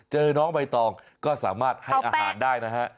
เจอน้องใบตองก็สามารถให้อาหารได้นะฮะ